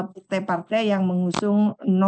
partai partai yang mengusung